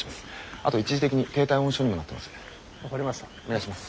あと一時的に低体温症にもなってます。